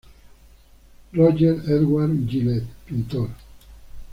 Roger Edgar Gillet, pintor.